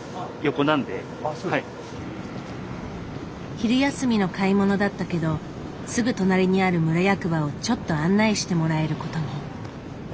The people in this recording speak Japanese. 昼休みの買い物だったけどすぐ隣にある村役場をちょっと案内してもらえることに。